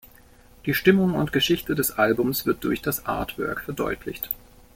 Die Stimmung und Geschichte des Albums wird durch das Artwork verdeutlicht.